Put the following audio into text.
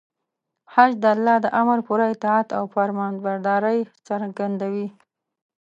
حج د الله د امر پوره اطاعت او فرمانبرداري څرګندوي.